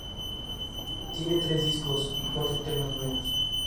Tiene tres discos y cuatro temas nuevos.